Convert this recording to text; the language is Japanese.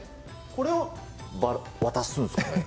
これを渡すんですかね？